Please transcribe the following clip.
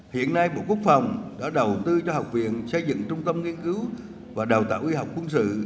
hiện nay bộ quốc phòng đã đầu tư cho học viện xây dựng trung tâm nghiên cứu và đào tạo y học quân sự